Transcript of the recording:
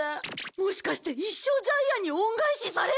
もしかして一生ジャイアンに恩返しされるんじゃ。